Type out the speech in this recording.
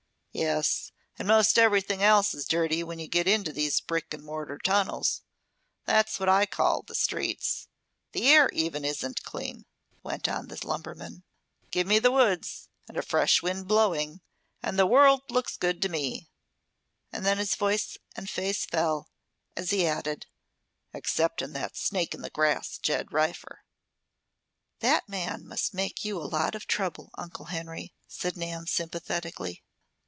"Yes. And most everything else is dirty when you get into these brick and mortar tunnels. That's what I call the streets. The air even isn't clean," went on the lumberman. "Give me the woods, with a fresh wind blowing, and the world looks good to me," then his voice and face fell, as he added, "excepting that snake in the grass, Ged Raffer." "That man must make you a lot of trouble, Uncle Henry," said Nan sympathetically.